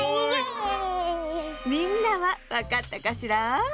みんなはわかったかしら？